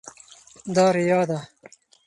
دا ریا ده.